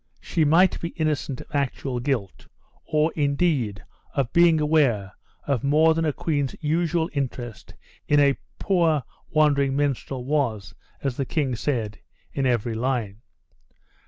She might be innocent of actual guilt, or indeed of being aware of more than a queen's usual interest in a poor wandering minstrel was, as the king said, in every line.